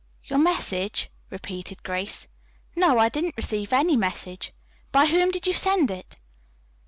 "Your message," repeated Grace. "No, I didn't receive any message. By whom did you send it?"